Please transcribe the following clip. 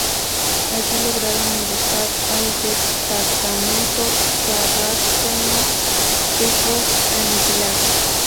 Allí lograron emboscar al destacamento sarraceno, que fue aniquilado.